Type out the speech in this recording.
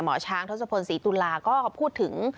หมอช้างทศพลศรีตุลาก็พูดถึง